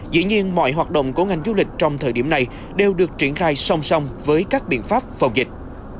dĩ nhiên mọi hoạt động của ngành du lịch trong thời điểm này đều được triển khai song song với các biện pháp phòng dịch